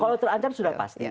kalau terancam sudah pasti